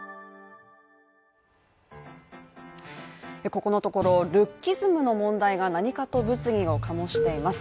ここのところ、ルッキズムの問題が何かと物議を醸しています。